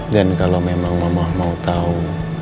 dan kalau memang mama mau tahu